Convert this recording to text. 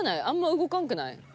あんま動かんくない？